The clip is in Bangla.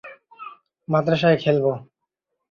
গোলমাল শুনিয়া বীরু রায় আসিলেন, তাঁহার চাকর আসিল।